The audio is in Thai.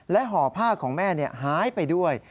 ห่อผ้าของแม่หายไปด้วย